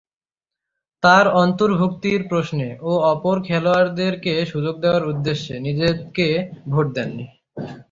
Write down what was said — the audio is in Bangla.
তার অন্তর্ভুক্তির প্রশ্নে ও অপর খেলোয়াড়দেরকে সুযোগ দেয়ার উদ্দেশ্যে নিজেকে ভোট দেননি।